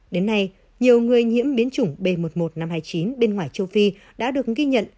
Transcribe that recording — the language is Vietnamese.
đến nay nhiều người nhiễm biến chủng b một mươi một năm trăm hai mươi chín bên ngoài châu phi đã được ghi nhận